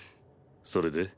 それで？